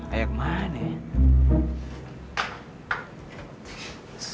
ayah kemana ya